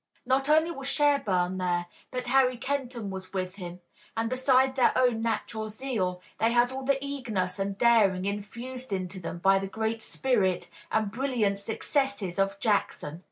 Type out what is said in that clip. Not only was Sherburne there, but Harry Kenton was with him, and besides their own natural zeal they had all the eagerness and daring infused into them by the great spirit and brilliant successes of Jackson.